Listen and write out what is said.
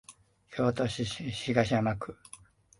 京都市東山区